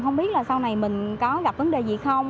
không biết là sau này mình có gặp vấn đề gì không